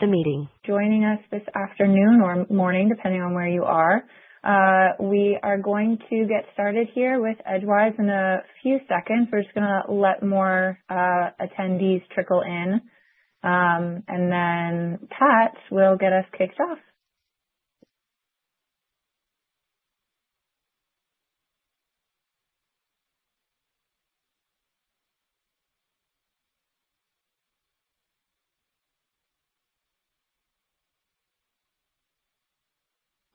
The meeting. Joining us this afternoon or morning, depending on where you are. We are going to get started here with Edgewise in a few seconds. We're just gonna let more attendees trickle in, and then Pat will get us kicked off.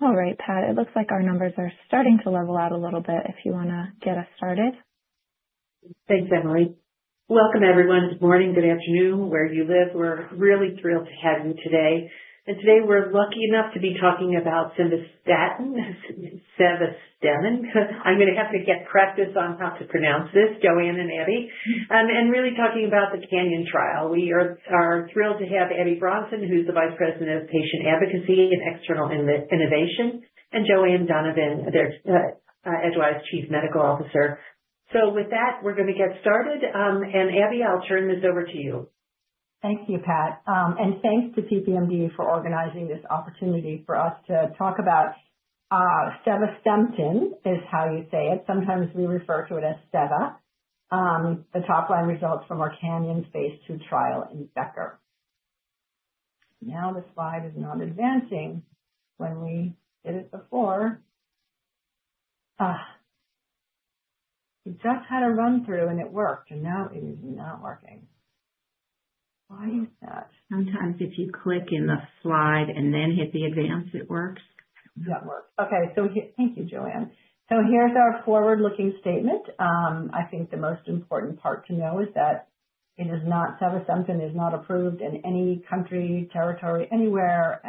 All right, Pat. It looks like our numbers are starting to level out a little bit. If you wanna get us started. Thanks, Emily. Welcome, everyone. Good morning, good afternoon, where you live. We're really thrilled to have you today, and today we're lucky enough to be talking about sevasemten. I'm gonna have to get practice on how to pronounce this, Joanne and Abby, and really talking about the Canyon trial. We are thrilled to have Abby Bronson, who's the Vice President of Patient Advocacy and External Innovation, and Joanne Donovan, their Edgewise Chief Medical Officer. So with that, we're gonna get started, and Abby, I'll turn this over to you. Thank you, Pat, and thanks to PPMD for organizing this opportunity for us to talk about sevasemten is how you say it. Sometimes we refer to it as seva. The top-line results from our Canyon phase 2 trial in Becker. Now the slide is not advancing. When we did it before, we just had a run-through and it worked, and now it is not working. Why is that? Sometimes if you click in the slide and then hit the advance, it works. That works. Okay. So here. Thank you, Joanne. So here's our forward-looking statement. I think the most important part to know is that Sevasemten is not approved in any country, territory, anywhere.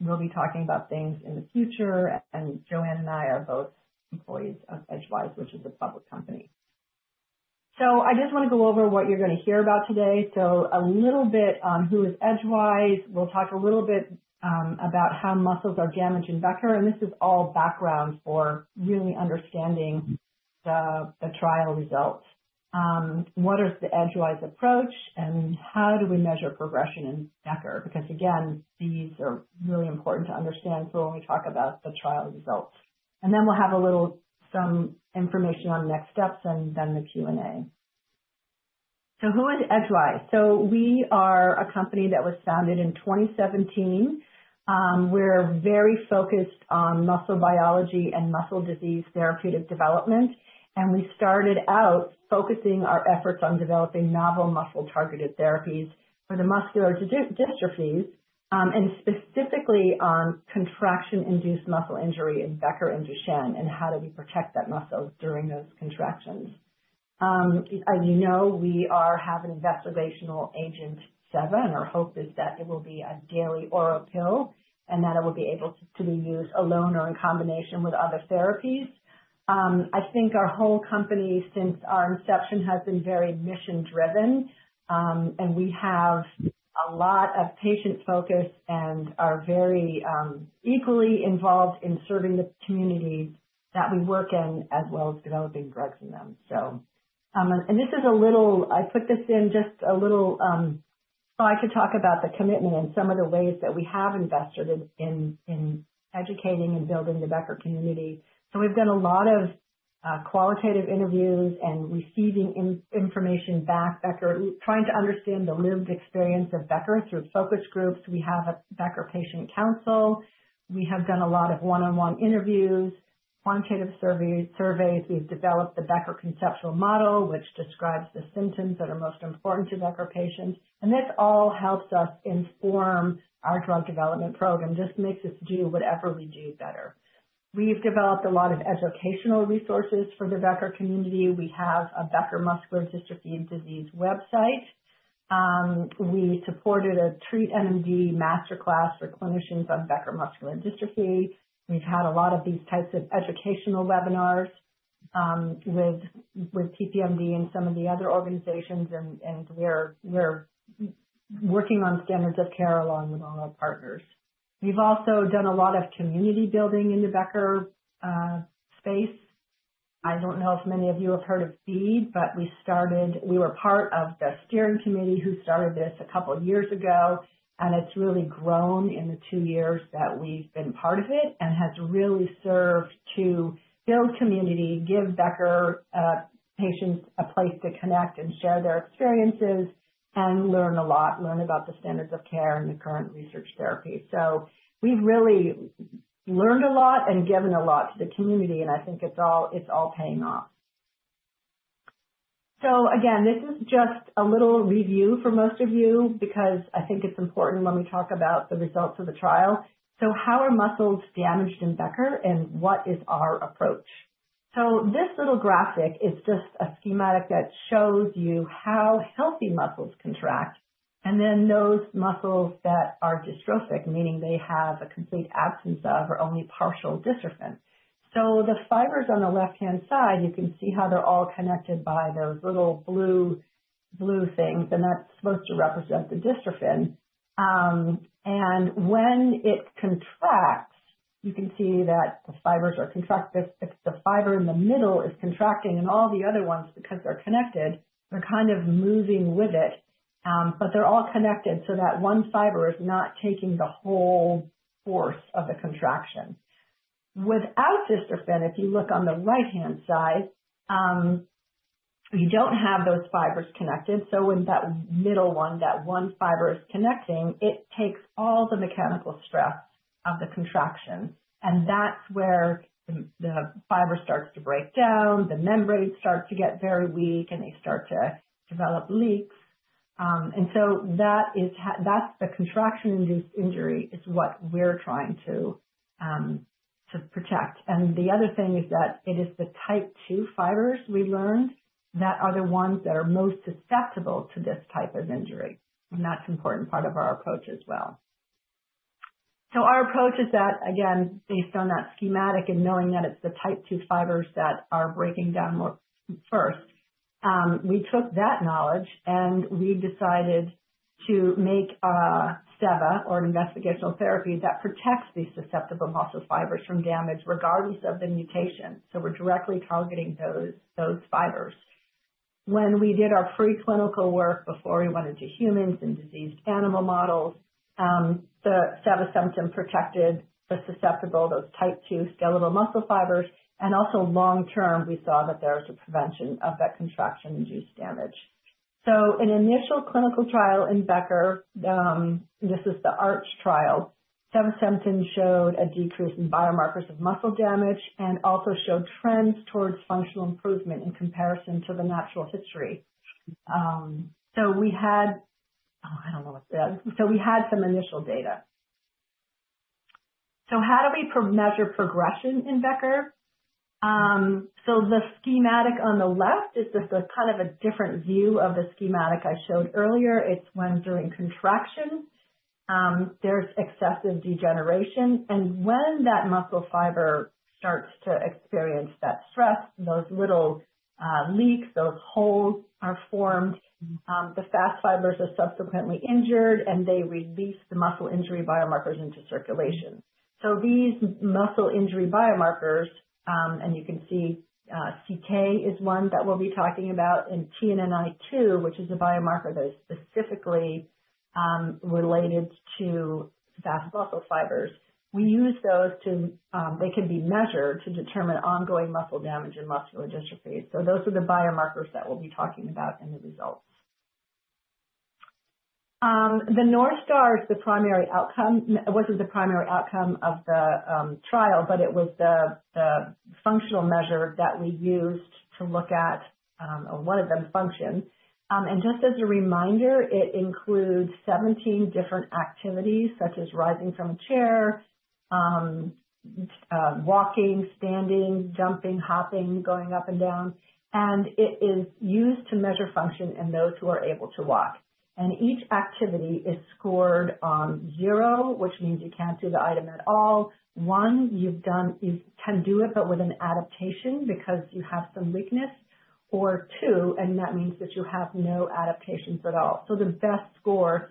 We'll be talking about things in the future. Joanne and I are both employees of Edgewise, which is a public company. So I just wanna go over what you're gonna hear about today. So a little bit on who is Edgewise. We'll talk a little bit about how muscles are damaged in Becker. This is all background for really understanding the trial results. What is the Edgewise approach, and how do we measure progression in Becker? Because again, these are really important to understand for when we talk about the trial results. Then we'll have a little some information on next steps and then the Q&A. So who is Edgewise? We are a company that was founded in 2017. We're very focused on muscle biology and muscle disease therapeutic development. We started out focusing our efforts on developing novel muscle-targeted therapies for the muscular dystrophies, and specifically on contraction-induced muscle injury in Becker and Duchenne and how do we protect that muscle during those contractions. As you know, we have an investigational agent, sevasemten. Our hope is that it will be a daily oral pill and that it will be able to be used alone or in combination with other therapies. I think our whole company, since our inception, has been very mission-driven. We have a lot of patient focus and are very equally involved in serving the community that we work in as well as developing drugs in them. This is a little I put this in just a little, so I could talk about the commitment and some of the ways that we have invested in educating and building the Becker community. We've done a lot of qualitative interviews and receiving information back from Becker, trying to understand the lived experience of Becker through focus groups. We have a Becker Patient Council. We have done a lot of one-on-one interviews, quantitative surveys. We've developed the Becker Conceptual Model, which describes the symptoms that are most important to Becker patients. This all helps us inform our drug development program, just makes us do whatever we do better. We've developed a lot of educational resources for the Becker community. We have a Becker Muscular Dystrophy disease website. We supported a TREAT-NMD masterclass for clinicians on Becker Muscular Dystrophy. We've had a lot of these types of educational webinars with PPMD and some of the other organizations. And we're working on standards of care along with all our partners. We've also done a lot of community building in the Becker space. I don't know if many of you have heard of BEAD, but we were part of the steering committee who started this a couple of years ago. And it's really grown in the two years that we've been part of it and has really served to build community, give Becker patients a place to connect and share their experiences and learn about the standards of care and the current research therapy. So we've really learned a lot and given a lot to the community. And I think it's all paying off. So again, this is just a little review for most of you because I think it's important when we talk about the results of the trial. So how are muscles damaged in Becker and what is our approach? So this little graphic is just a schematic that shows you how healthy muscles contract and then those muscles that are dystrophic, meaning they have a complete absence of or only partial dystrophin. So the fibers on the left-hand side, you can see how they're all connected by those little blue things. And that's supposed to represent the dystrophin. And when it contracts, you can see that the fibers are contracted. If the fiber in the middle is contracting and all the other ones, because they're connected, they're kind of moving with it. But they're all connected so that one fiber is not taking the whole force of the contraction. Without dystrophin, if you look on the right-hand side, you don't have those fibers connected. So when that middle one, that one fiber is connecting, it takes all the mechanical stress of the contraction. And that's where the fiber starts to break down, the membrane starts to get very weak, and they start to develop leaks. And so that is, that's the contraction-induced injury, what we're trying to protect. And the other thing is that it is the type II fibers we learned that are the ones that are most susceptible to this type of injury. And that's an important part of our approach as well. Our approach is that, again, based on that schematic and knowing that it's the type II fibers that are breaking down more first, we took that knowledge and we decided to make a sevasemten or an investigational therapy that protects these susceptible muscle fibers from damage regardless of the mutation. We're directly targeting those fibers. When we did our pre-clinical work before we went into humans and diseased animal models, the sevasemten protected the susceptible, those type II skeletal muscle fibers. And also long-term, we saw that there was a prevention of that contraction-induced damage. An initial clinical trial in Becker, this is the ARCH trial, sevasemten showed a decrease in biomarkers of muscle damage and also showed trends towards functional improvement in comparison to the natural history. We had some initial data. So how do we measure progression in Becker? So the schematic on the left is just a kind of a different view of the schematic I showed earlier. It's when during contraction, there's excessive degeneration. And when that muscle fiber starts to experience that stress, those little leaks, those holes are formed. The fast fibers are subsequently injured and they release the muscle injury biomarkers into circulation. So these muscle injury biomarkers, and you can see, CK is one that we'll be talking about and TNNI2, which is a biomarker that is specifically related to fast muscle fibers. We use those to, they can be measured to determine ongoing muscle damage and muscular dystrophy. So those are the biomarkers that we'll be talking about in the results. The North Star wasn't the primary outcome of the trial, but it was the functional measure that we used to look at, or one of them, function, and just as a reminder, it includes 17 different activities such as rising from a chair, walking, standing, jumping, hopping, going up and down. It is used to measure function in those who are able to walk. Each activity is scored on zero, which means you can't do the item at all. One, you can do it, but with an adaptation because you have some weakness. Or two, and that means that you have no adaptations at all. The best score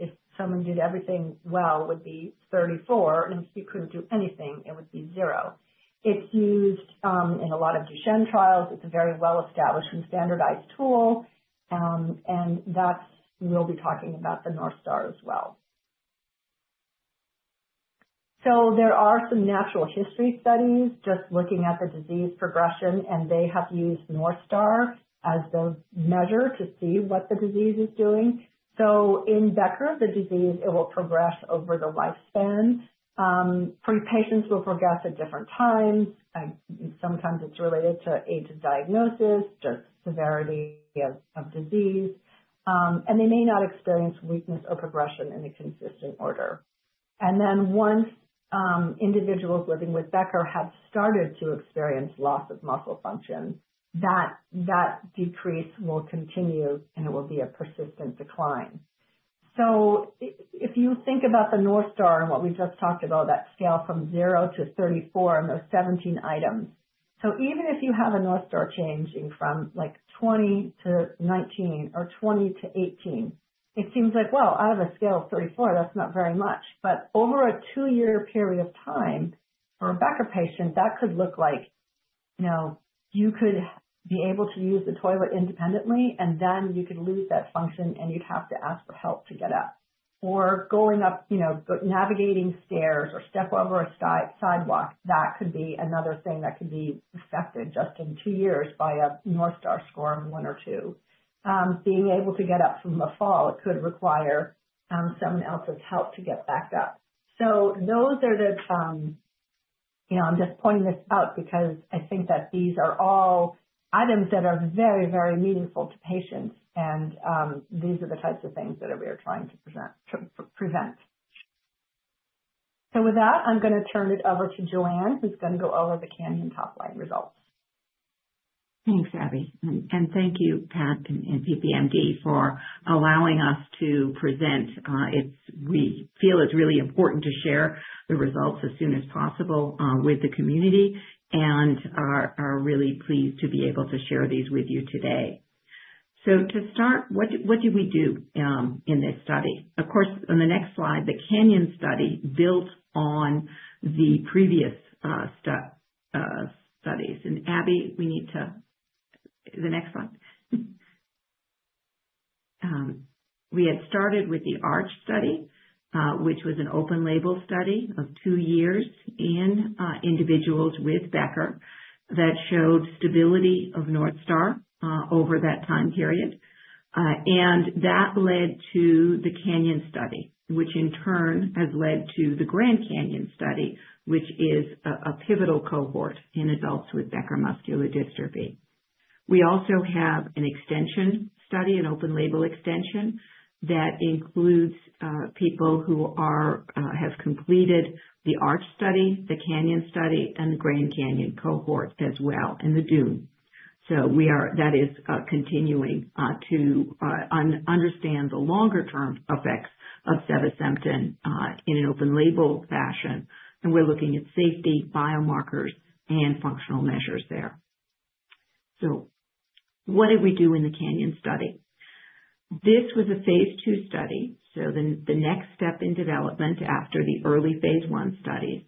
if someone did everything well would be 34. If you couldn't do anything, it would be zero. It's used in a lot of Duchenne trials. It's a very well-established and standardized tool, and that's what we'll be talking about the North Star as well, so there are some natural history studies just looking at the disease progression, and they have used North Star as the measure to see what the disease is doing, so in Becker, the disease, it will progress over the lifespan, patients will progress at different times, sometimes it's related to age of diagnosis, just severity of disease, and they may not experience weakness or progression in a consistent order, and then once individuals living with Becker have started to experience loss of muscle function, that decrease will continue and it will be a persistent decline. So if you think about the North Star and what we just talked about, that scale from zero to 34 and those 17 items, so even if you have a North Star changing from like 20 to 19 or 20 to 18, it seems like, well, out of a scale of 34, that's not very much. But over a two-year period of time for a Becker patient, that could look like, you know, you could be able to use the toilet independently and then you could lose that function and you'd have to ask for help to get up. Or going up, you know, go navigating stairs or step over a side sidewalk, that could be another thing that could be affected just in two years by a North Star score of one or two. being able to get up from a fall, it could require someone else's help to get back up. So those are the, you know, I'm just pointing this out because I think that these are all items that are very, very meaningful to patients. And these are the types of things that we are trying to prevent. So with that, I'm gonna turn it over to Joanne, who's gonna go over the Canyon top-line results. Thanks, Abby. And thank you, Pat and PPMD, for allowing us to present. We feel it's really important to share the results as soon as possible with the community. And we are really pleased to be able to share these with you today. So to start, what did we do in this study? Of course, on the next slide, the Canyon study built on the previous studies. And Abby, we need to the next slide. We had started with the Arch study, which was an open-label study of two years in individuals with Becker that showed stability of North Star over that time period. And that led to the Canyon study, which in turn has led to the Grand Canyon study, which is a pivotal cohort in adults with Becker muscular dystrophy. We also have an extension study, an open-label extension that includes people who have completed the Arch study, the Canyon study, and the Grand Canyon cohort as well in the Dune. So we are, that is, continuing to understand the longer-term effects of sevasemten in an open-label fashion. And we're looking at safety, biomarkers, and functional measures there. So what did we do in the Canyon study? This was a phase 2 study. So the next step in development after the early phase 1 studies,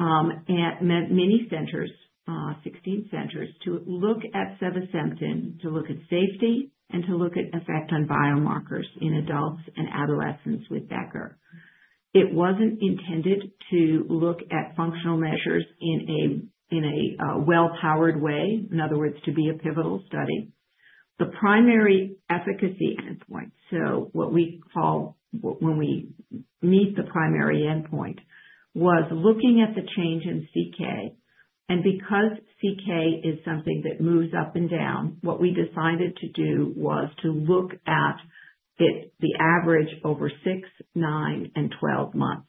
at many centers, 16 centers, to look at sevasemten, to look at safety, and to look at effect on biomarkers in adults and adolescents with Becker. It wasn't intended to look at functional measures in a well-powered way, in other words, to be a pivotal study. The primary efficacy endpoint, so what we call when we meet the primary endpoint, was looking at the change in CK. Because CK is something that moves up and down, what we decided to do was to look at the average over six, nine, and 12 months.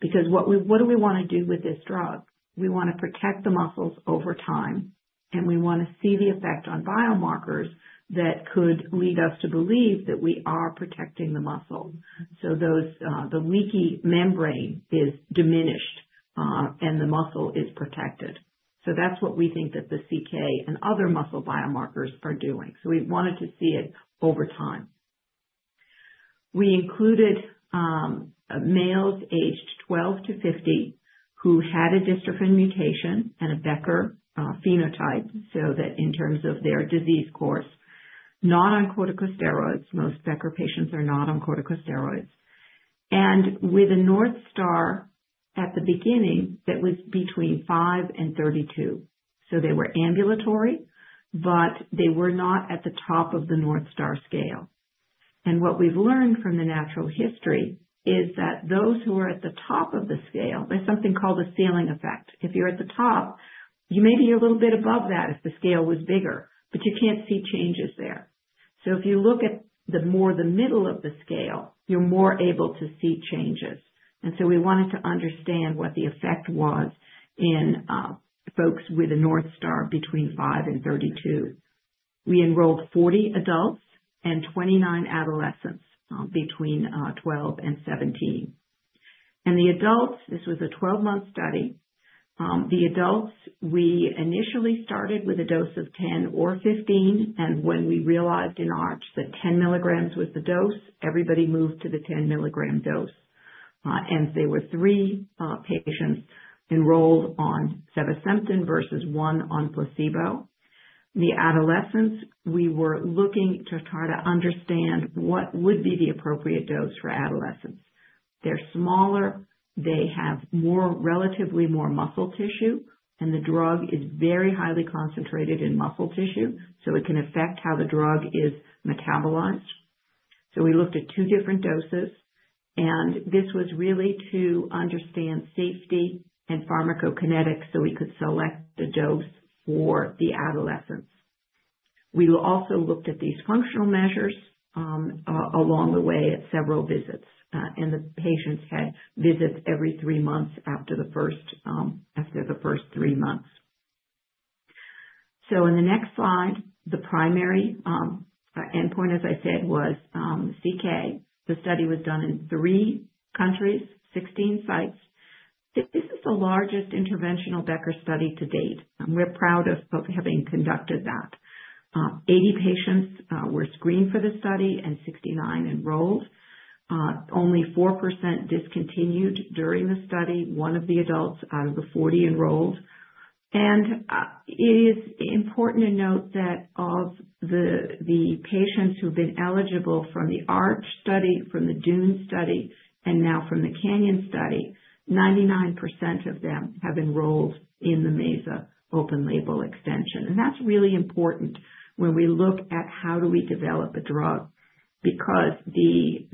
Because what we want to do with this drug? We want to protect the muscles over time. We want to see the effect on biomarkers that could lead us to believe that we are protecting the muscle. Those, the leaky membrane is diminished, and the muscle is protected. That's what we think that the CK and other muscle biomarkers are doing. We wanted to see it over time. We included males aged 12 to 50 who had a dystrophin mutation and a Becker phenotype so that in terms of their disease course, not on corticosteroids. Most Becker patients are not on corticosteroids, and with a North Star at the beginning that was between five and 32, so they were ambulatory, but they were not at the top of the North Star scale, and what we've learned from the natural history is that those who are at the top of the scale, there's something called a ceiling effect. If you're at the top, you may be a little bit above that if the scale was bigger, but you can't see changes there. So if you look at the more the middle of the scale, you're more able to see changes, and so we wanted to understand what the effect was in folks with a North Star between five and 32. We enrolled 40 adults and 29 adolescents between 12 and 17, and the adults, this was a 12-month study. The adults, we initially started with a dose of 10 or 15, and when we realized in Arch that 10 milligrams was the dose, everybody moved to the 10 milligram dose, and there were three patients enrolled on sevasemten versus one on placebo. The adolescents, we were looking to try to understand what would be the appropriate dose for adolescents. They're smaller. They have relatively more muscle tissue, and the drug is very highly concentrated in muscle tissue, so it can affect how the drug is metabolized, so we looked at two different doses, and this was really to understand safety and pharmacokinetics so we could select the dose for the adolescents. We also looked at these functional measures, along the way at several visits, and the patients had visits every three months after the first three months. So on the next slide, the primary endpoint, as I said, was CK. The study was done in three countries, 16 sites. This is the largest interventional Becker study to date. And we're proud of having conducted that. 80 patients were screened for the study and 69 enrolled. Only 4% discontinued during the study, one of the adults out of the 40 enrolled. And it is important to note that of the patients who've been eligible from the Arch study, from the Dune study, and now from the Canyon study, 99% of them have enrolled in the Mesa open-label extension. And that's really important when we look at how do we develop a drug. Because the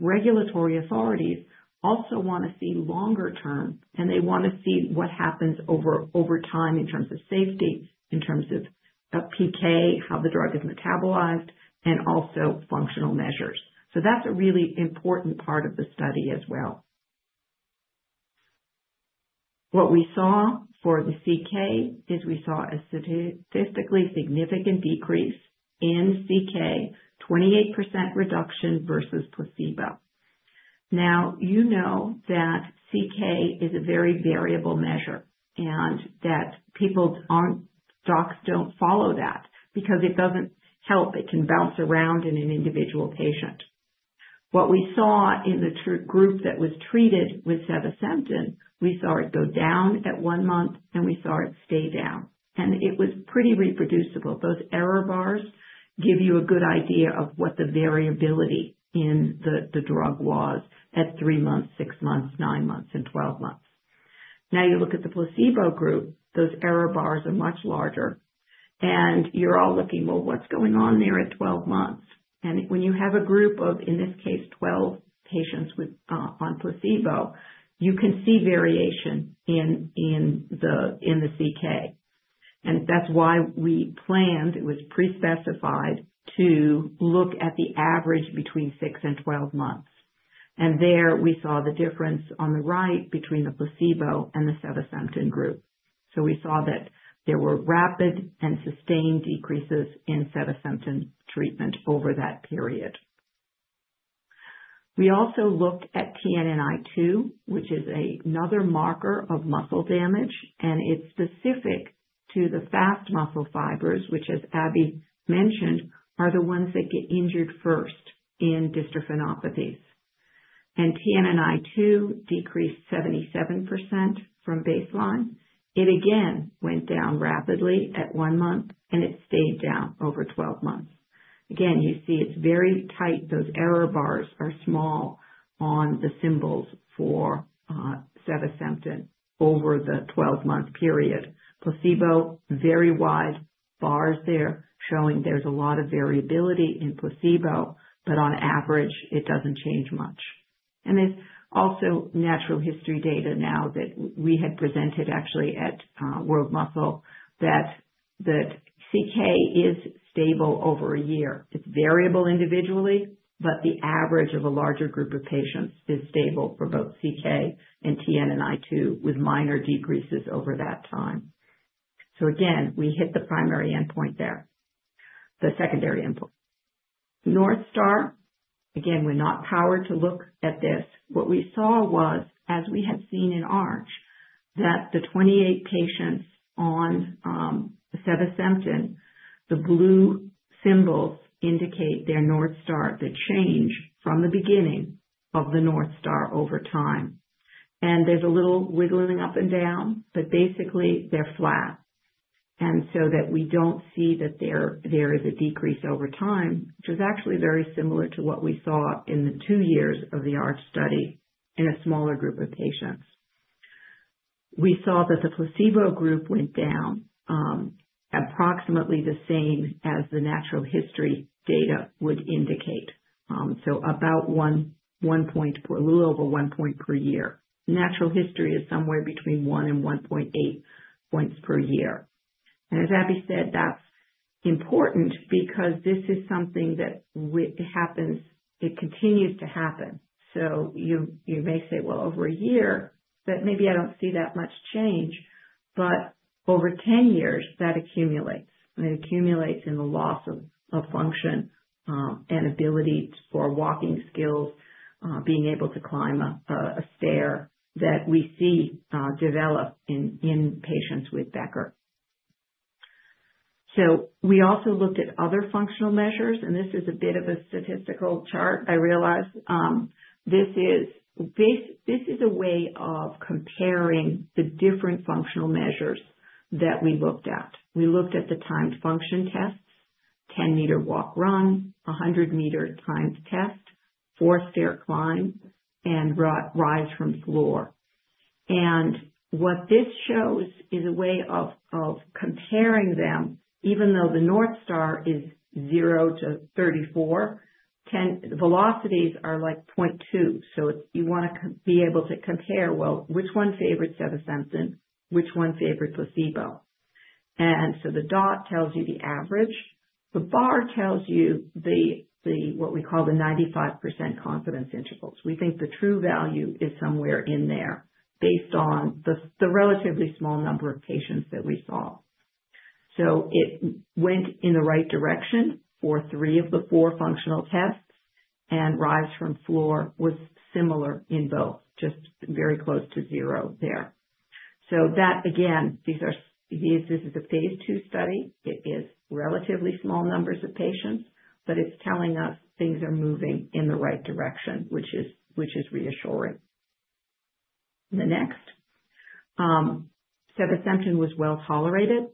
regulatory authorities also wanna see longer-term. And they wanna see what happens over time in terms of safety, in terms of PK, how the drug is metabolized, and also functional measures. That's a really important part of the study as well. What we saw for the CK is we saw a statistically significant decrease in CK, 28% reduction versus placebo. Now, you know that CK is a very variable measure and that people aren't; docs don't follow that because it doesn't help. It can bounce around in an individual patient. What we saw in the group that was treated with sevasemten, we saw it go down at one month and we saw it stay down. It was pretty reproducible. Those error bars give you a good idea of what the variability in the drug was at three months, six months, nine months, and 12 months. Now you look at the placebo group, those error bars are much larger. You're all looking, well, what's going on there at 12 months? And when you have a group of, in this case, 12 patients with, on placebo, you can see variation in the CK. And that's why we planned, it was pre-specified, to look at the average between six and 12 months. And there we saw the difference on the right between the placebo and the sevasemten group. So we saw that there were rapid and sustained decreases in sevasemten treatment over that period. We also looked at TNNI2, which is another marker of muscle damage. And it's specific to the fast muscle fibers, which, as Abby mentioned, are the ones that get injured first in dystrophinopathies. And TNNI2 decreased 77% from baseline. It again went down rapidly at one month and it stayed down over 12 months. Again, you see it's very tight. Those error bars are small on the symbols for sevasemten over the 12-month period. Placebo, very wide bars there showing there's a lot of variability in placebo, but on average, it doesn't change much. And there's also natural history data now that we had presented actually at World Muscle that that CK is stable over a year. It's variable individually, but the average of a larger group of patients is stable for both CK and TNNI2 with minor decreases over that time. So again, we hit the primary endpoint there, the secondary endpoint. North Star, again, we're not powered to look at this. What we saw was, as we had seen in Arch, that the 28 patients on sevasemten, the blue symbols indicate their North Star, the change from the beginning of the North Star over time. And there's a little wiggling up and down, but basically they're flat. And so that we don't see that there is a decrease over time, which was actually very similar to what we saw in the two years of the ARCH study in a smaller group of patients. We saw that the placebo group went down, approximately the same as the natural history data would indicate. So about one point, a little over one point per year. Natural history is somewhere between one and 1.8 points per year. And as Abby said, that's important because this is something that happens, it continues to happen. So you may say, well, over a year, but maybe I don't see that much change. But over 10 years, that accumulates. And it accumulates in the loss of function, and ability for walking skills, being able to climb a stair that we see develop in patients with Becker. So we also looked at other functional measures. And this is a bit of a statistical chart, I realize. This is a way of comparing the different functional measures that we looked at. We looked at the timed function tests, 10-meter walk-run, 100-meter timed test, four-stair climb, and rise from floor. And what this shows is a way of comparing them. Even though the North Star is zero to 34, 10 velocities are like 0.2. So you wanna be able to compare, well, which one favored sevasemten? Which one favored placebo? And so the dot tells you the average. The bar tells you the what we call the 95% confidence intervals. We think the true value is somewhere in there based on the relatively small number of patients that we saw. So it went in the right direction for three of the four functional tests. And rise from floor was similar in both, just very close to zero there. So that, again, this is a phase 2 study. It is relatively small numbers of patients, but it's telling us things are moving in the right direction, which is reassuring. Sevasemten was well tolerated.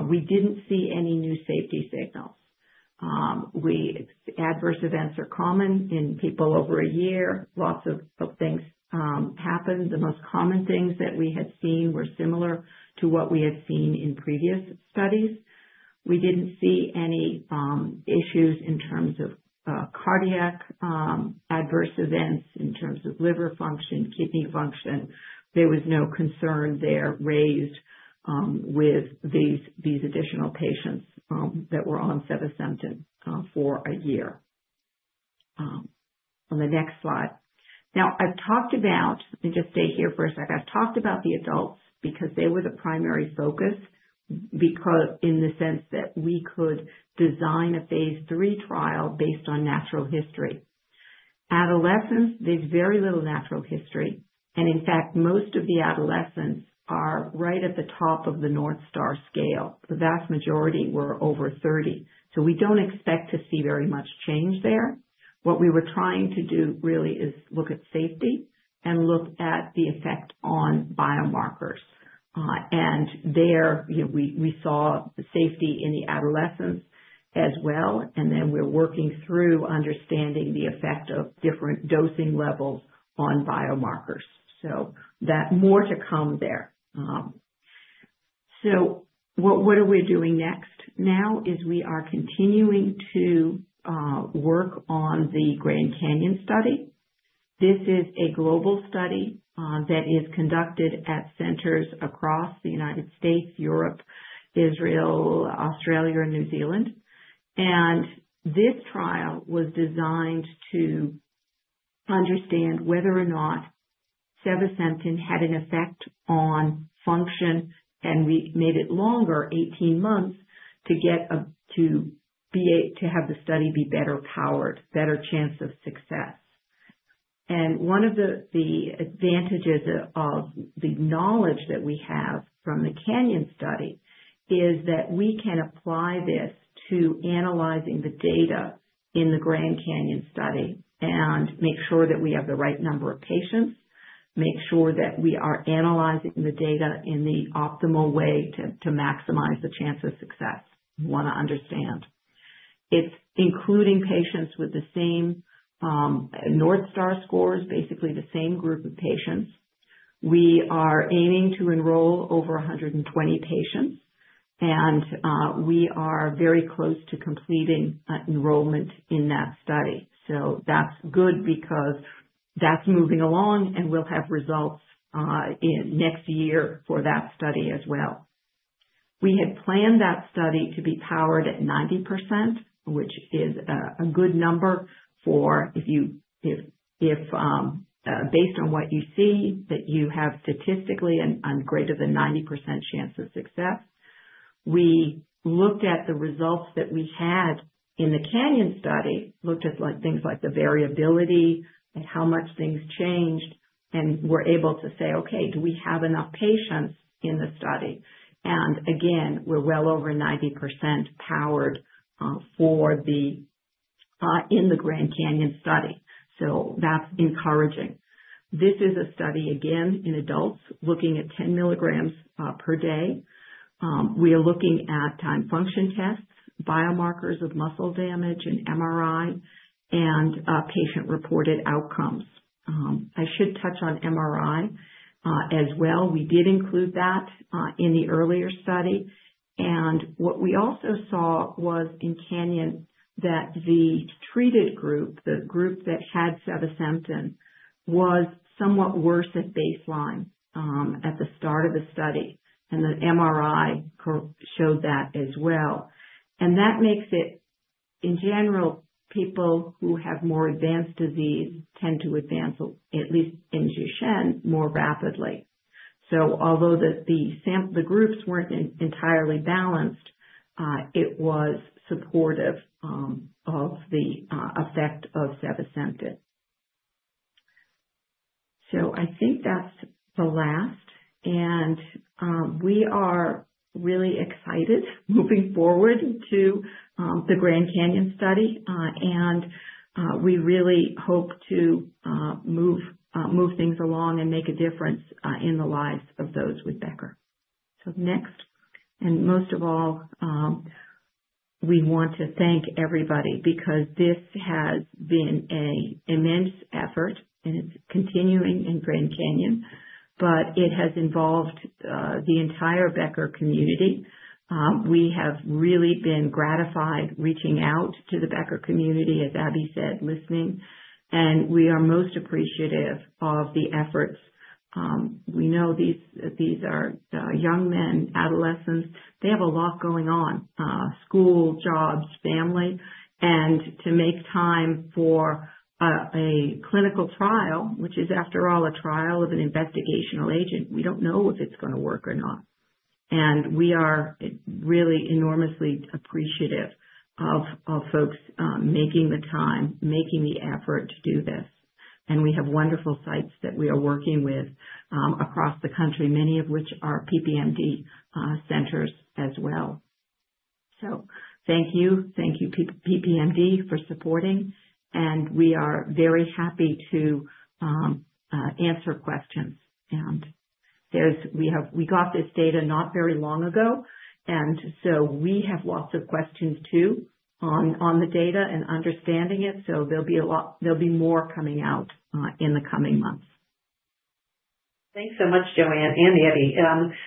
We didn't see any new safety signals. Adverse events are common in people over a year. Lots of things happen. The most common things that we had seen were similar to what we had seen in previous studies. We didn't see any issues in terms of cardiac adverse events, in terms of liver function, kidney function. There was no concern raised there with these additional patients that were on sevasemten for a year. On the next slide. Now, I've talked about. Let me just stay here for a second. I've talked about the adults because they were the primary focus because in the sense that we could design a phase three trial based on natural history. Adolescents, there's very little natural history. In fact, most of the adolescents are right at the top of the North Star scale. The vast majority were over 30. So we don't expect to see very much change there. What we were trying to do really is look at safety and look at the effect on biomarkers. And there, you know, we saw the safety in the adolescents as well. And then we're working through understanding the effect of different dosing levels on biomarkers. So that more to come there. So what are we doing next? Now we are continuing to work on the Grand Canyon study. This is a global study that is conducted at centers across the United States, Europe, Israel, Australia, and New Zealand. This trial was designed to understand whether or not sevasemten had an effect on function. We made it longer, 18 months, to have the study be better powered, better chance of success. One of the advantages of the knowledge that we have from the Canyon study is that we can apply this to analyzing the data in the Grand Canyon study and make sure that we have the right number of patients, make sure that we are analyzing the data in the optimal way to maximize the chance of success. We wanna understand. It is including patients with the same North Star scores, basically the same group of patients. We are aiming to enroll over 120 patients. We are very close to completing enrollment in that study. So that's good because that's moving along and we'll have results in next year for that study as well. We had planned that study to be powered at 90%, which is a good number for if you if, based on what you see that you have statistically a greater than 90% chance of success. We looked at the results that we had in the Canyon study, looked at like things like the variability and how much things changed and were able to say, okay, do we have enough patients in the study? And again, we're well over 90% powered for the Grand Canyon study. So that's encouraging. This is a study again in adults looking at 10 milligrams per day. We are looking at timed function tests, biomarkers of muscle damage, and MRI and patient-reported outcomes. I should touch on MRI, as well. We did include that, in the earlier study. And what we also saw was in Canyon that the treated group, the group that had sevasemten, was somewhat worse at baseline, at the start of the study. And the MRI showed that as well. And that makes it, in general, people who have more advanced disease tend to advance, at least in Duchenne, more rapidly. So although the sample the groups weren't entirely balanced, it was supportive, of the, effect of sevasemten. So I think that's the last. And, we are really excited moving forward to, the Grand Canyon study. And, we really hope to, move things along and make a difference, in the lives of those with Becker. So next, and most of all, we want to thank everybody because this has been an immense effort and it's continuing in Grand Canyon, but it has involved the entire Becker community. We have really been gratified reaching out to the Becker community, as Abby said, listening. And we are most appreciative of the efforts. We know these are young men, adolescents. They have a lot going on, school, jobs, family. And to make time for a clinical trial, which is after all a trial of an investigational agent, we don't know if it's gonna work or not. And we are really enormously appreciative of folks making the time, making the effort to do this. And we have wonderful sites that we are working with across the country, many of which are PPMD centers as well. So thank you. Thank you, PPMD, for supporting. We are very happy to answer questions. And there's we got this data not very long ago. And so we have lots of questions too on the data and understanding it. So there'll be a lot more coming out in the coming months. Thanks so much, Joanne and Abby.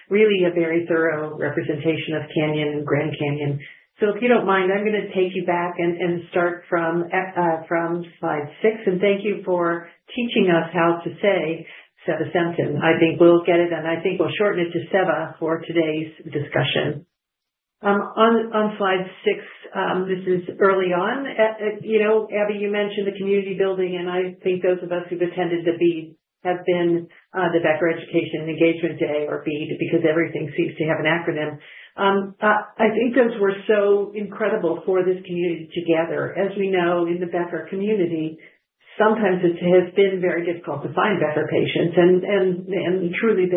Really a very thorough representation of Canyon and Grand Canyon. If you don't mind, I'm gonna take you back and start from slide six. And thank you for teaching us how to say sevasemten. I think we'll get it and I think we'll shorten it to seva for today's discussion. On slide six, this is early on. You know, Abby, you mentioned the community building. And I think those of us who've attended the BEAD, the Becker Education and Engagement Day or BEAD because everything seems to have an acronym. I think those were so incredible for this community to gather. As we know in the Becker community, sometimes it has been very difficult to find fellow patients. And truly,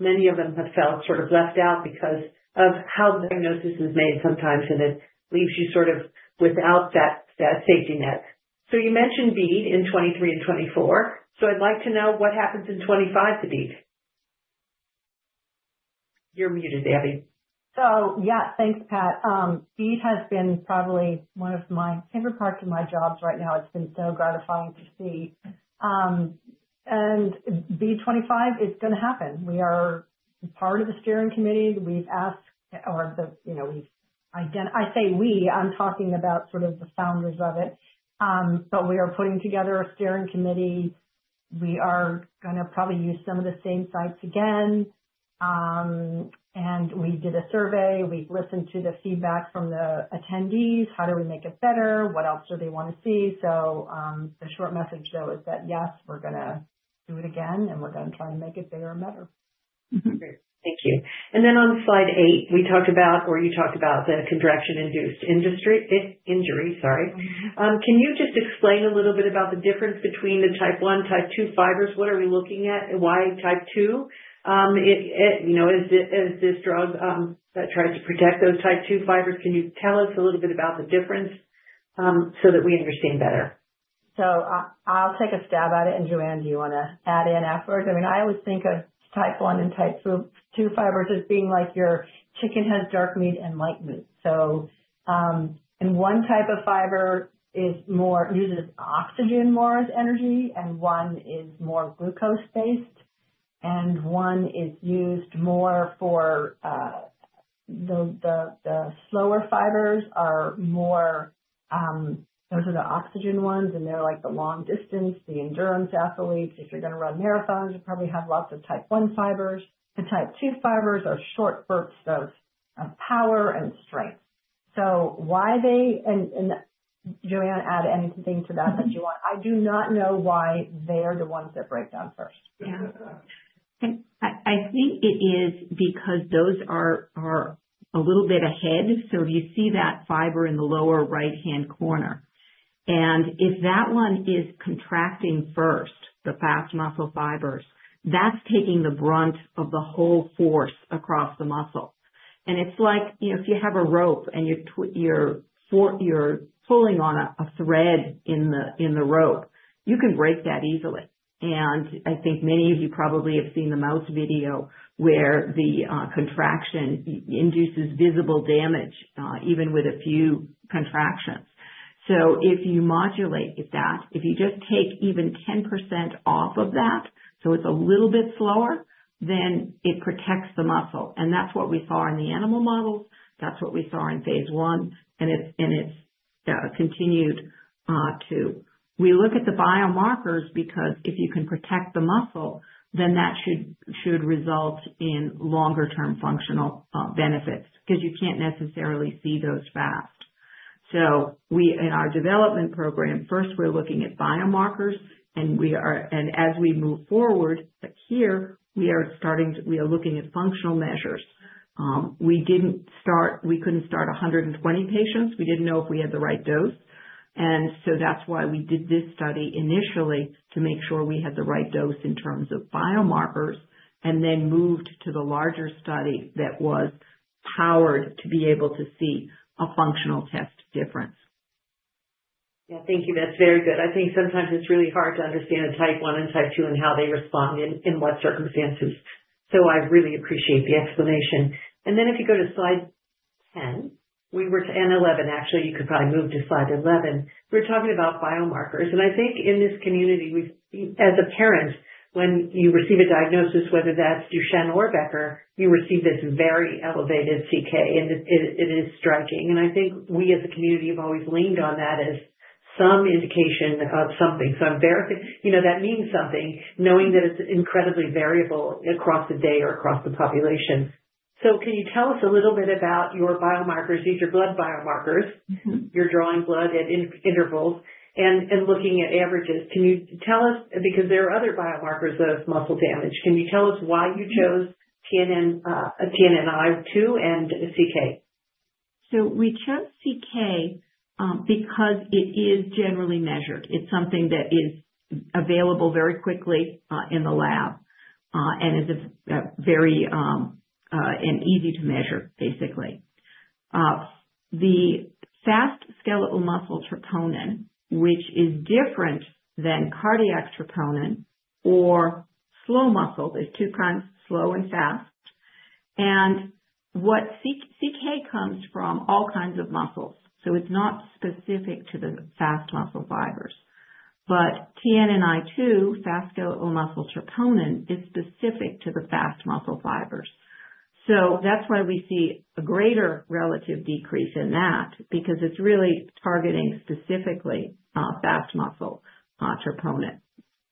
many of them have felt sort of left out because of how diagnosis is made sometimes. And it leaves you sort of without that safety net. So you mentioned BEAD in 2023 and 2024. So I'd like to know what happens in 2025 to BEAD. You're muted, Abby. So yeah, thanks, Pat. BEAD has been probably one of my favorite parts of my jobs right now. It's been so gratifying to see. And BEAD 2025 is gonna happen. We are part of the steering committee. You know, we've identified. I say we, I'm talking about sort of the founders of it. But we are putting together a steering committee. We are gonna probably use some of the same sites again, and we did a survey. We've listened to the feedback from the attendees. How do we make it better? What else do they wanna see? So, the short message though is that yes, we're gonna do it again and we're gonna try to make it bigger and better. Mm-hmm. Great. Thank you. And then on slide eight, we talked about or you talked about the contraction-induced muscle injury, sorry. Can you just explain a little bit about the difference between the Type I, Type II fibers? What are we looking at? Why Type II? You know, is this drug that tries to protect those Type II fibers? Can you tell us a little bit about the difference, so that we understand better? So I'll take a stab at it. And Joanne, do you wanna add in afterwards? I mean, I always think of Type I and Type II fibers as being like your chicken has dark meat and light meat. So, and one type of fiber is more uses oxygen more as energy and one is more glucose-based. And one is used more for, the slower fibers are more, those are the oxygen ones. And they're like the long distance, the endurance athletes. If you're gonna run marathons, you probably have lots of Type I fibers. The Type II fibers are short bursts of power and strength. So why they and Joanne, add anything to that that you want? I do not know why they are the ones that break down first. Yeah. And I think it is because those are a little bit ahead. So if you see that fiber in the lower right-hand corner, and if that one is contracting first, the fast muscle fibers, that's taking the brunt of the whole force across the muscle. And it's like, you know, if you have a rope and you're pulling on a thread in the rope, you can break that easily. And I think many of you probably have seen the mouse video where the contraction induces visible damage, even with a few contractions. So if you modulate that, if you just take even 10% off of that, so it's a little bit slower, then it protects the muscle. And that's what we saw in the animal models. That's what we saw in phase one. And it's continued, too. We look at the biomarkers because if you can protect the muscle, then that should result in longer-term functional benefits because you can't necessarily see those fast. So in our development program, first we're looking at biomarkers and as we move forward, here we are starting to look at functional measures. We couldn't start 120 patients. We didn't know if we had the right dose. And so that's why we did this study initially to make sure we had the right dose in terms of biomarkers and then moved to the larger study that was powered to be able to see a functional test difference. Yeah. Thank you. That's very good. I think sometimes it's really hard to understand Type I and Type II and how they respond in what circumstances. So I really appreciate the explanation. Then if you go to slide 10 and 11, actually, you could probably move to slide 11. We're talking about biomarkers. I think in this community, we've, as a parent, when you receive a diagnosis, whether that's Duchenne or Becker, you receive this very elevated CK. And it is striking. I think we as a community have always leaned on that as some indication of something. So I'm very, you know, that means something knowing that it's incredibly variable across the day or across the population. So can you tell us a little bit about your biomarkers? These are blood biomarkers. You're drawing blood at intervals and looking at averages. Can you tell us, because there are other biomarkers of muscle damage, why you chose TNNI2 and CK? So we chose CK, because it is generally measured. It's something that is available very quickly, in the lab, and is a very easy to measure basically. The fast skeletal muscle troponin, which is different than cardiac troponin or slow muscle, there's two kinds, slow and fast. And what CK comes from all kinds of muscles. So it's not specific to the fast muscle fibers. But TNNI2, fast skeletal muscle troponin, is specific to the fast muscle fibers. So that's why we see a greater relative decrease in that because it's really targeting specifically fast muscle troponin.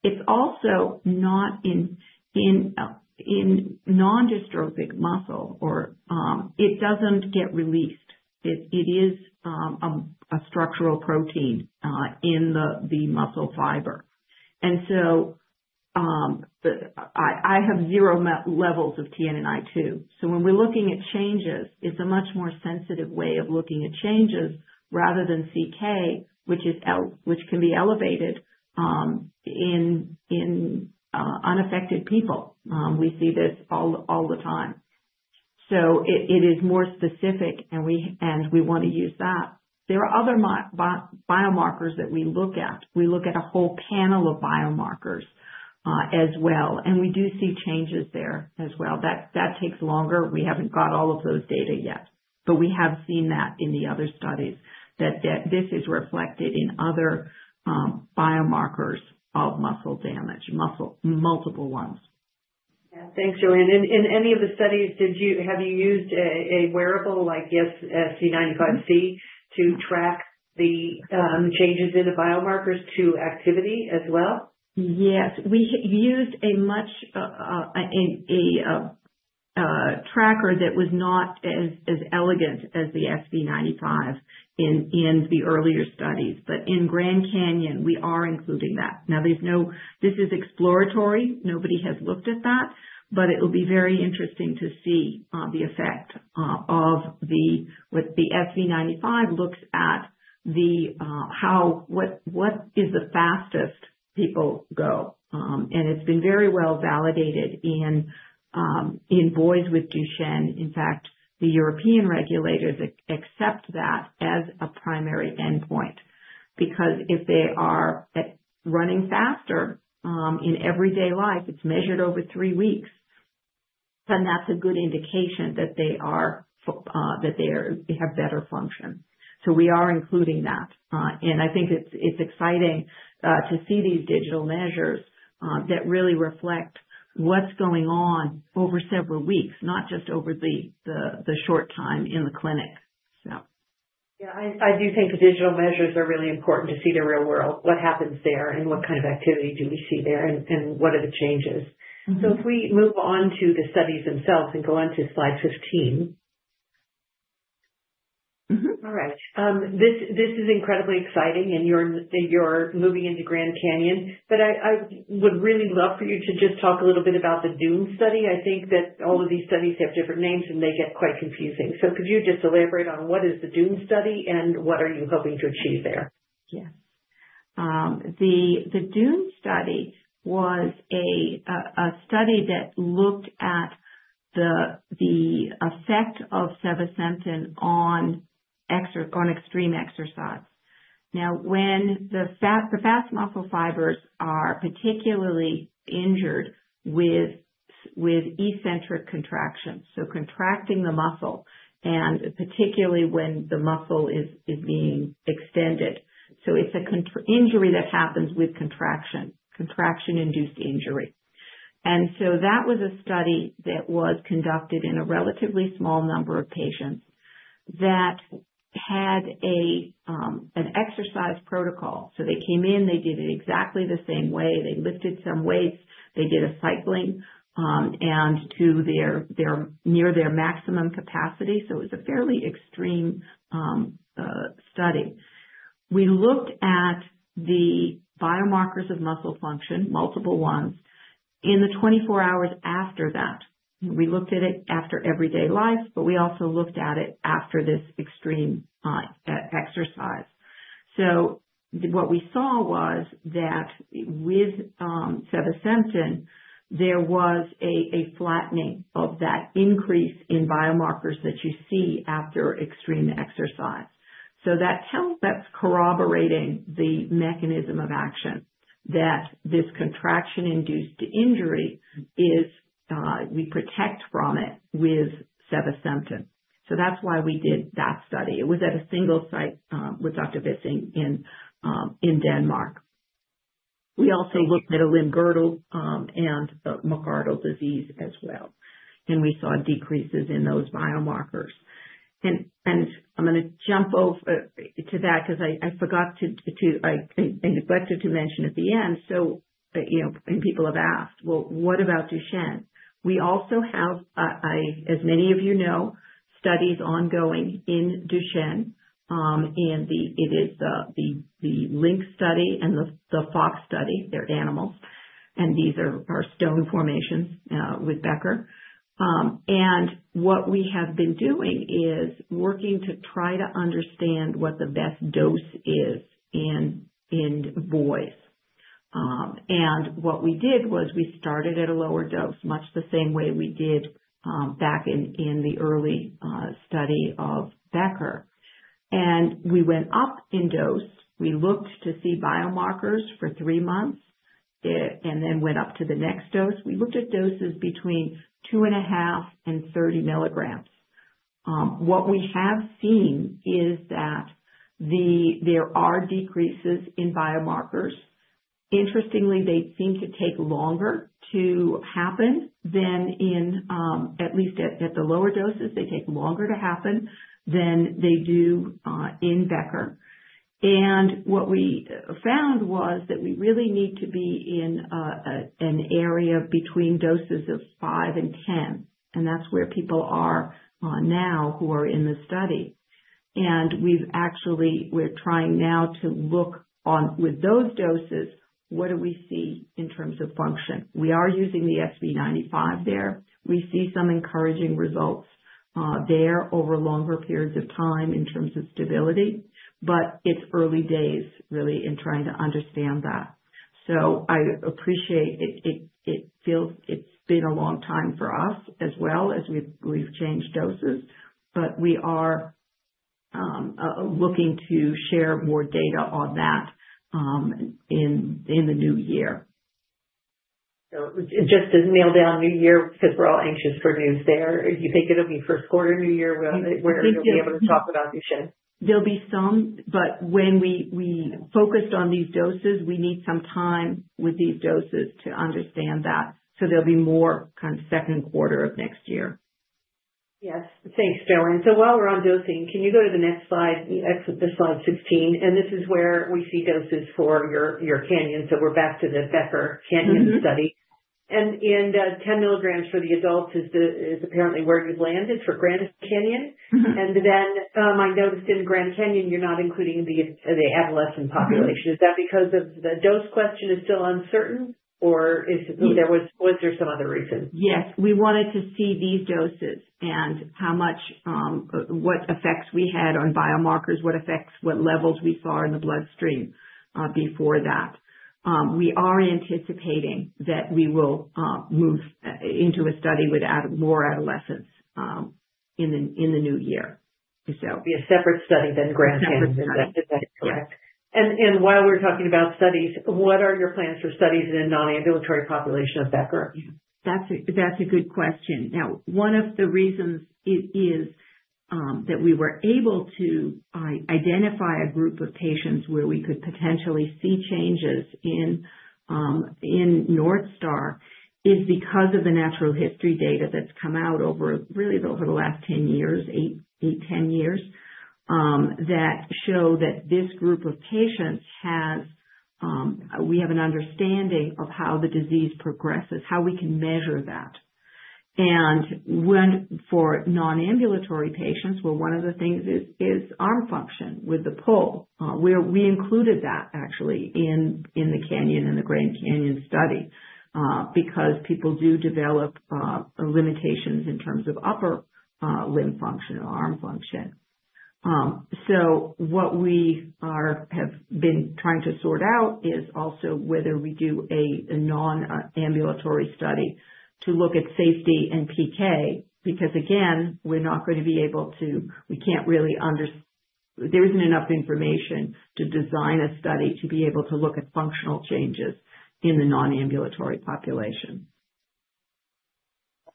It's also not in non-dystrophic muscle or it doesn't get released. It is a structural protein in the muscle fiber. And so, I have zero levels of TNNI2. So when we're looking at changes, it's a much more sensitive way of looking at changes rather than CK, which can be elevated in unaffected people. We see this all the time. So it is more specific and we wanna use that. There are other biomarkers that we look at. We look at a whole panel of biomarkers, as well. And we do see changes there as well. That takes longer. We haven't got all of those data yet. But we have seen that in the other studies that this is reflected in other biomarkers of muscle damage, multiple ones. Yeah. Thanks, Joanne. And in any of the studies, did you use a wearable like SV95C to track the changes in the biomarkers to activity as well? Yes. We used a tracker that was not as elegant as the SV95 in the earlier studies. But in Grand Canyon, we are including that. Now, this is exploratory. Nobody has looked at that. But it will be very interesting to see the effect of what the SV95 looks at, how fast people go. It's been very well validated in boys with Duchenne. In fact, the European regulators accept that as a primary endpoint because if they are running faster in everyday life, it's measured over three weeks, then that's a good indication that they have better function. So we are including that. And I think it's exciting to see these digital measures that really reflect what's going on over several weeks, not just over the short time in the clinic. So yeah. I do think the digital measures are really important to see the real world, what happens there and what kind of activity do we see there and what are the changes. So if we move on to the studies themselves and go on to slide 15. Mm-hmm. All right. This is incredibly exciting and you're moving into Grand Canyon. But I would really love for you to just talk a little bit about the DUNE study. I think that all of these studies have different names and they get quite confusing, so could you just elaborate on what is the DUNE study and what are you hoping to achieve there? Yes. The DUNE study was a study that looked at the effect of sevasemten on extreme exercise. Now, when the fast muscle fibers are particularly injured with eccentric contractions, so contracting the muscle and particularly when the muscle is being extended. It's an injury that happens with contraction, contraction-induced injury. That was a study that was conducted in a relatively small number of patients that had an exercise protocol. They came in, they did it exactly the same way. They lifted some weights, they did cycling, and to their near maximum capacity. It was a fairly extreme study. We looked at the biomarkers of muscle function, multiple ones, in the 24 hours after that. We looked at it after everyday life, but we also looked at it after this extreme exercise. What we saw was that with sevasemten, there was a flattening of that increase in biomarkers that you see after extreme exercise. That tells that's corroborating the mechanism of action that this contraction-induced injury is; we protect from it with sevasemten. That's why we did that study. It was at a single site with Dr. Vissing in Denmark. We also looked at a limb girdle and a McArdle disease as well. And we saw decreases in those biomarkers. And I'm gonna jump over to that because I forgot to; I neglected to mention at the end. You know, and people have asked, well, what about Duchenne? We also have, as many of you know, studies ongoing in Duchenne; it's the Lynx study and the Fox study; they're animals. These are stone formations with Becker. What we have been doing is working to try to understand what the best dose is in boys. What we did was we started at a lower dose, much the same way we did back in the early study of Becker. We went up in dose. We looked to see biomarkers for three months and then went up to the next dose. We looked at doses between two and a half and 30 milligrams. What we have seen is that there are decreases in biomarkers. Interestingly, they seem to take longer to happen than in Becker. At least at the lower doses, they take longer to happen than they do in Becker. What we found was that we really need to be in an area between doses of five and 10. That's where people are now who are in the study. We've actually, we're trying now to look on with those doses, what do we see in terms of function? We are using the SV95C there. We see some encouraging results there over longer periods of time in terms of stability. But it's early days really in trying to understand that. So I appreciate it feels it's been a long time for us as well as we've changed doses. But we are looking to share more data on that in the new year. So just to nail down new year because we're all anxious for news there. You think it'll be first quarter new year where you'll be able to talk about Duchenne? There'll be some. But when we focused on these doses, we need some time with these doses to understand that. So there'll be more kind of second quarter of next year. Yes. Thanks, Joanne. So while we're on dosing, can you go to the next slide, the slide 16? And this is where we see doses for your Canyon. So we're back to the Becker Canyon study. And 10 milligrams for the adults is apparently where you've landed for Grand Canyon. And then, I noticed in Grand Canyon, you're not including the adolescent population. Is that because the dose question is still uncertain or is there some other reason? Yes. We wanted to see these doses and what effects we had on biomarkers, what levels we saw in the bloodstream before that. We are anticipating that we will move into a study with more adolescents in the new year. So be a separate study than Grand Canyon. Is that correct? And while we're talking about studies, what are your plans for studies in a non-ambulatory population of Becker? That's a good question. Now, one of the reasons is that we were able to identify a group of patients where we could potentially see changes in North Star is because of the natural history data that's come out over the last 10 years, 8 to 10 years, that show that this group of patients has. We have an understanding of how the disease progresses, how we can measure that. And for non-ambulatory patients, one of the things is arm function with the PUL, where we included that actually in the Canyon and the Grand Canyon study, because people do develop limitations in terms of upper limb function or arm function. What we have been trying to sort out is also whether we do a non-ambulatory study to look at safety and PK because again, we're not going to be able to really understand there isn't enough information to design a study to be able to look at functional changes in the non-ambulatory population.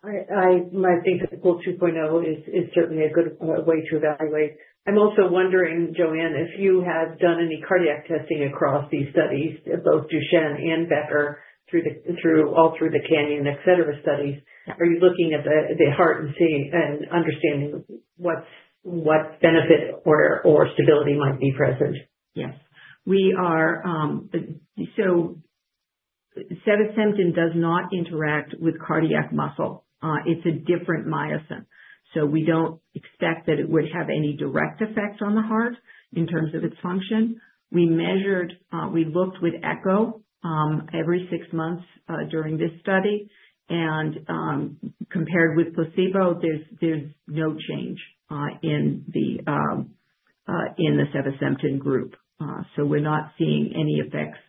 I think that the PUL 2.0 is certainly a good way to evaluate. I'm also wondering, Joanne, if you have done any cardiac testing across these studies, both Duchenne and Becker through all the Canyon, et cetera studies. Are you looking at the heart and seeing and understanding what benefit or stability might be present? Yes. We are, so sevasemten does not interact with cardiac muscle. It's a different myosin. So we don't expect that it would have any direct effect on the heart in terms of its function. We measured. We looked with echo every six months during this study. And compared with placebo, there's no change in the sevasemten group. So we're not seeing any effects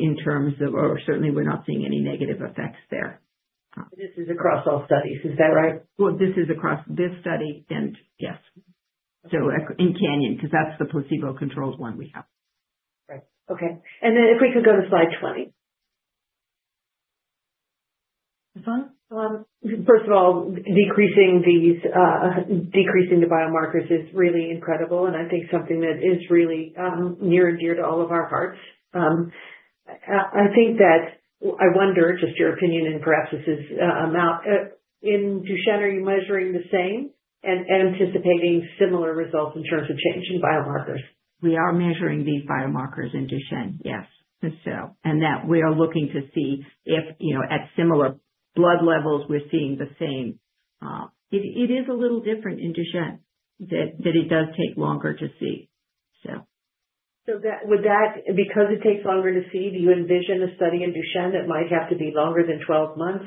in terms of or certainly we're not seeing any negative effects there. This is across all studies. Is that right? Well, this is across this study and yes. So in Canyon because that's the placebo-controlled one we have. Right. Okay. And then if we could go to slide 20. Uh-huh. First of all, decreasing the biomarkers is really incredible. And I think something that is really near and dear to all of our hearts. I think that I wonder just your opinion and perhaps this is, in Duchenne, are you measuring the same and anticipating similar results in terms of change in biomarkers? We are measuring these biomarkers in Duchenne, yes. So, and that we are looking to see if, you know, at similar blood levels, we're seeing the same. It is a little different in Duchenne that it does take longer to see. So that would because it takes longer to see, do you envision a study in Duchenne that might have to be longer than 12 months,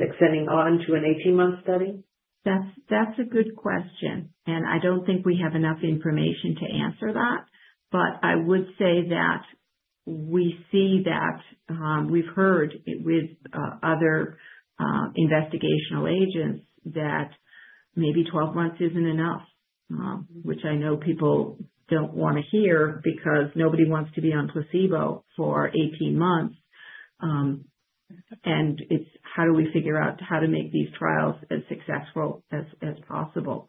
extending on to an 18-month study? That's a good question. And I don't think we have enough information to answer that. But I would say that we see that we've heard with other investigational agents that maybe 12 months isn't enough, which I know people don't want to hear because nobody wants to be on placebo for 18 months, and it's how do we figure out how to make these trials as successful as possible.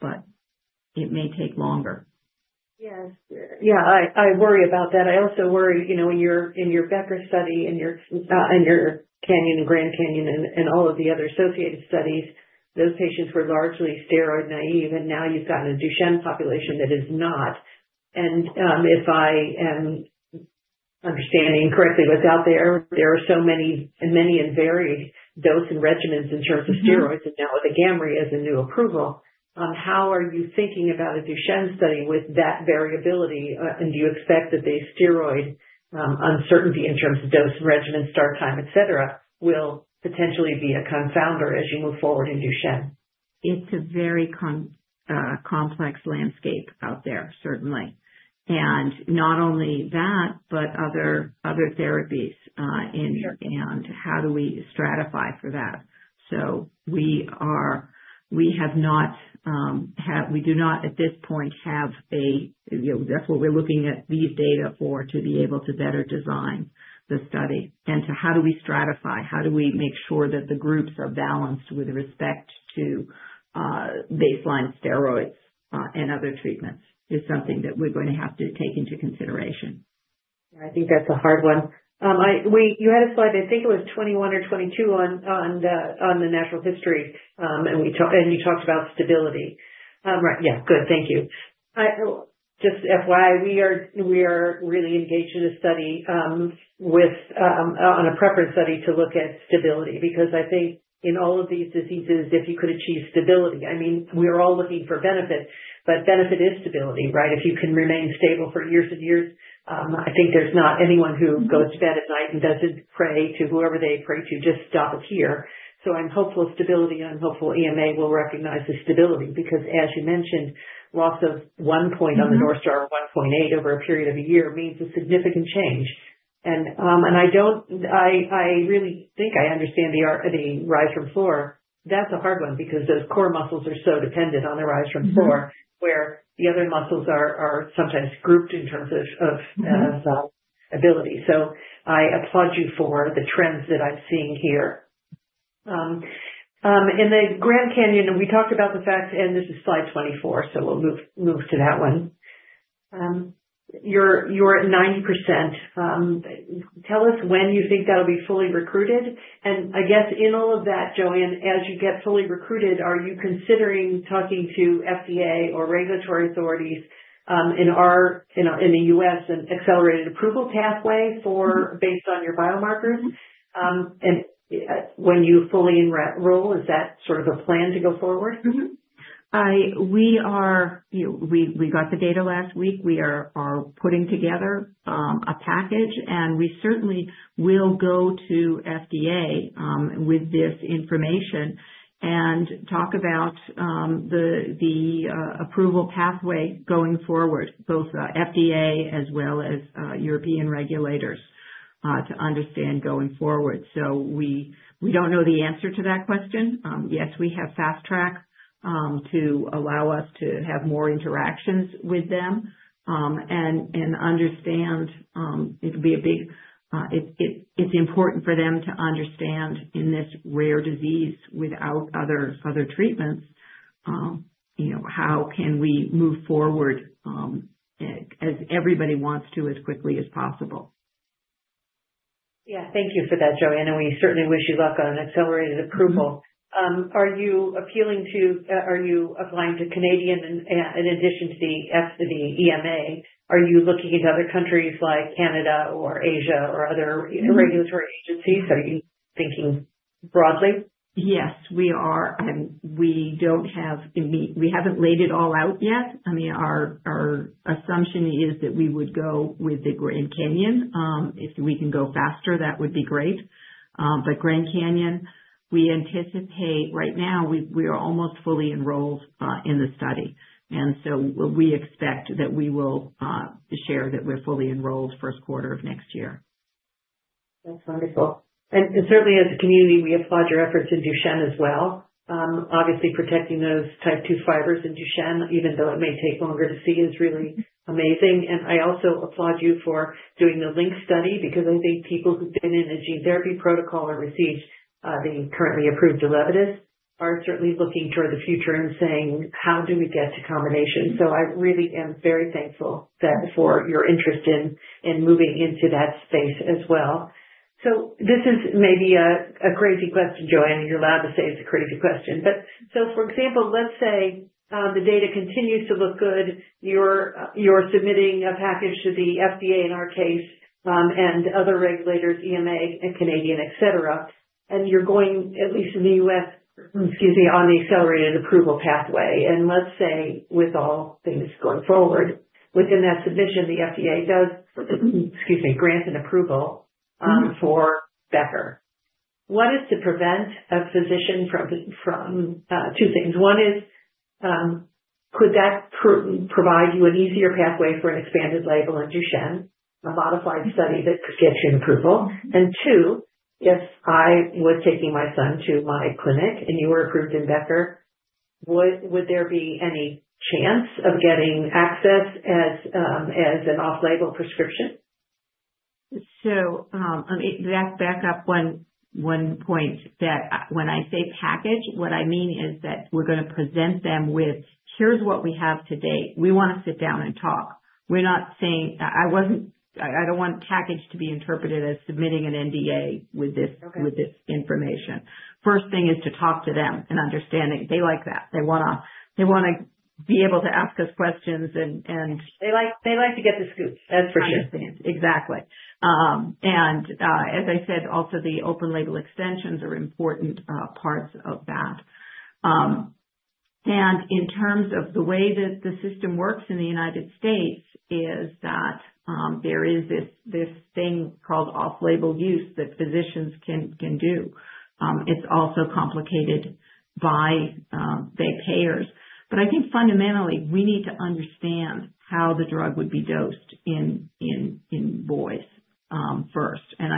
But it may take longer. Yes. Yeah. I worry about that. I also worry, you know, in your Becker study and your Canyon and Grand Canyon and all of the other associated studies, those patients were largely steroid naive. And now you've got a Duchenne population that is not. And if I am understanding correctly what's out there, there are so many and many and varied doses and regimens in terms of steroids. Now with the Agamree as a new approval, how are you thinking about a Duchenne study with that variability? Do you expect that the steroid uncertainty in terms of dose and regimen, start time, et cetera, will potentially be a confounder as you move forward in Duchenne? It's a very complex landscape out there, certainly. Not only that, but other therapies, and how do we stratify for that? We do not at this point have a, you know, that's what we're looking at these data for to be able to better design the study. To how do we stratify? How do we make sure that the groups are balanced with respect to baseline steroids and other treatments is something that we're going to have to take into consideration. Yeah. I think that's a hard one. I think you had a slide, I think it was 21 or 22 on the natural history, and you talked about stability, right? Yeah. Good. Thank you. I just FYI, we are really engaged in a study on a preference study to look at stability because I think in all of these diseases, if you could achieve stability, I mean, we are all looking for benefit. But benefit is stability, right? If you can remain stable for years and years, I think there's not anyone who goes to bed at night and doesn't pray to whoever they pray to just stop it here. So I'm hopeful for stability and I'm hopeful EMA will recognize the stability because as you mentioned, loss of one point on the North Star, 1.8 over a period of a year means a significant change. I really think I understand the rise from floor. That's a hard one because those core muscles are so dependent on the rise from floor where the other muscles are sometimes grouped in terms of ability. So I applaud you for the trends that I'm seeing here. In the Grand Canyon, we talked about the fact, and this is slide 24, so we'll move to that one. You're at 90%. Tell us when you think that'll be fully recruited. I guess in all of that, Joanne, as you get fully recruited, are you considering talking to FDA or regulatory authorities in the U.S., and accelerated approval pathway for based on your biomarkers? When you fully enroll, is that sort of a plan to go forward? Mm-hmm. We got the data last week. We are putting together a package. We certainly will go to the FDA with this information and talk about the approval pathway going forward, both the FDA as well as European regulators, to understand going forward. We don't know the answer to that question. Yes, we have fast track to allow us to have more interactions with them and understand. It'll be a big. It's important for them to understand in this rare disease without other treatments, you know, how can we move forward as quickly as possible, as everybody wants to. Yeah. Thank you for that, Joanne. We certainly wish you luck on accelerated approval. Are you applying to Canada and, in addition to the FDA, the EMA, are you looking at other countries like Canada or Asia or other regulatory agencies? Are you thinking broadly? Yes, we are. We haven't laid it all out yet. I mean, our assumption is that we would go with the Grand Canyon. If we can go faster, that would be great. But Grand Canyon, we anticipate right now we are almost fully enrolled in the study. And so we expect that we will share that we're fully enrolled first quarter of next year. That's wonderful. Certainly as a community, we applaud your efforts in Duchenne as well. Obviously protecting those Type II fibers in Duchenne, even though it may take longer to see, is really amazing. And I also applaud you for doing the Lynx study because I think people who've been in a gene therapy protocol or received the currently approved Elevidys are certainly looking toward the future and saying, how do we get to combination? So I really am very thankful for your interest in moving into that space as well. So this is maybe a crazy question, Joanne. And you're allowed to say it's a crazy question. But so for example, let's say the data continues to look good. You're submitting a package to the FDA in our case, and other regulators, EMA and Canadian, et cetera. And you're going, at least in the U.S., excuse me, on the accelerated approval pathway. And let's say with all things going forward, within that submission, the FDA does, excuse me, grant an approval for Becker. What is to prevent a physician from two things. One is, could that provide you an easier pathway for an expanded label in Duchenne, a modified study that could get you an approval? And two, if I was taking my son to my clinic and you were approved in Becker, would there be any chance of getting access as an off-label prescription? So, let me back up one point that when I say package, what I mean is that we're going to present them with, here's what we have today. We want to sit down and talk. We're not saying I don't want package to be interpreted as submitting an NDA with this information. First thing is to talk to them and understand that they like that. They want to be able to ask us questions and. They like to get the scoop. That's for sure. Exactly, and as I said, also the open-label extensions are important parts of that, and in terms of the way that the system works in the United States is that there is this thing called off-label use that physicians can do. It's also complicated by their payers. But I think fundamentally we need to understand how the drug would be dosed in boys first. And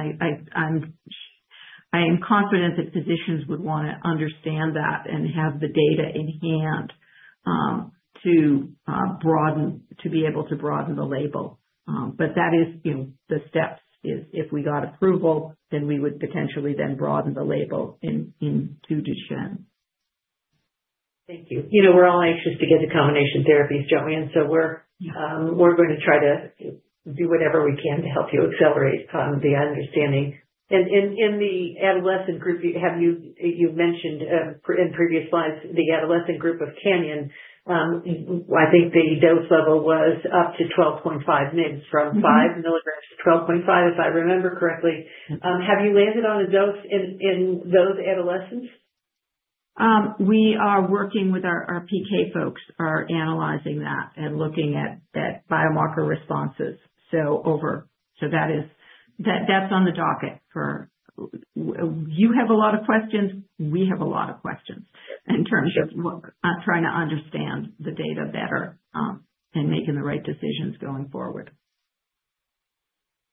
I'm confident that physicians would want to understand that and have the data in hand to broaden, to be able to broaden the label. But that is, you know, the steps is if we got approval, then we would potentially broaden the label into Duchenne. Thank you. You know, we're all anxious to get the combination therapies, Joanne. So we're going to try to do whatever we can to help you accelerate the understanding. And in the adolescent group, you mentioned in previous slides the adolescent group of Canyon. I think the dose level was up to 12.5 mg from 5 milligrams to 12.5, if I remember correctly. Have you landed on a dose in those adolescents? We are working with our PK folks are analyzing that and looking at biomarker responses. So that is on the docket. You have a lot of questions. We have a lot of questions in terms of trying to understand the data better, and making the right decisions going forward.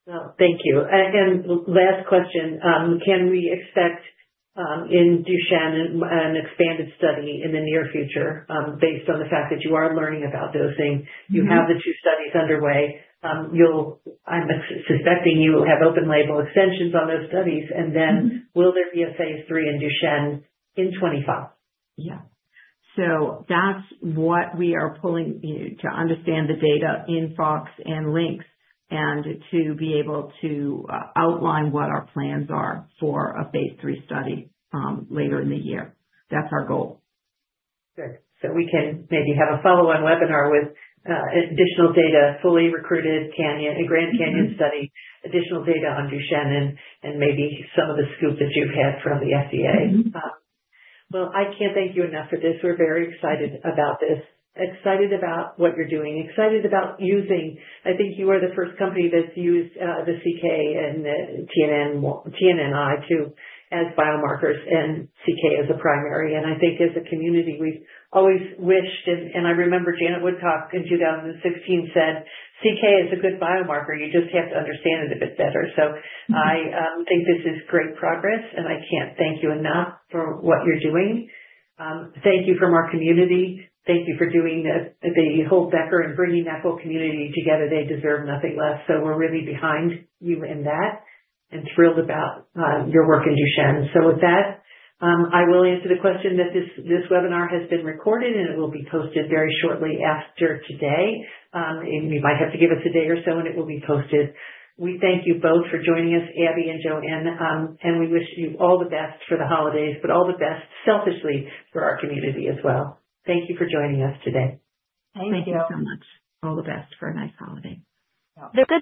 Well, thank you. Last question, can we expect in Duchenne an expanded study in the near future, based on the fact that you are learning about dosing? You have the two studies underway. You'll. I'm suspecting you have open label extensions on those studies. And then will there be a phase three in Duchenne in 2025? Yeah. So that's what we are planning to understand the data in Fox and Lynx and to be able to outline what our plans are for a phase three study later in the year. That's our goal. Good. So we can maybe have a follow-on webinar with additional data, fully recruited Canyon and Grand Canyon study, additional data on Duchenne and maybe some of the scoop that you've had from the FDA. Well, I can't thank you enough for this. We're very excited about this. Excited about what you're doing. Excited about using. I think you are the first company that's used the CK and the TNNI2 as biomarkers and CK as a primary. I think as a community, we've always wished and I remember Janet Woodcock in 2016 said, "CK is a good biomarker. You just have to understand it a bit better." So I think this is great progress. And I can't thank you enough for what you're doing. Thank you from our community. Thank you for doing the whole Becker and bringing that whole community together. They deserve nothing less. So we're really behind you in that and thrilled about your work in Duchenne. So with that, I will answer the question that this webinar has been recorded and it will be posted very shortly after today, and you might have to give us a day or so and it will be posted. We thank you both for joining us, Abby and Joanne. And we wish you all the best for the holidays, but all the best selfishly for our community as well. Thank you for joining us today. Thank you so much. All the best for a nice holiday. Yeah.